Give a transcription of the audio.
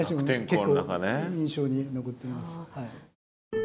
結構印象に残ってます。